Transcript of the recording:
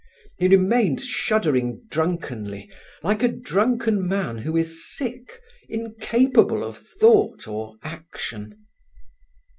He remained shuddering drunkenly, like a drunken man who is sick, incapable of thought or action.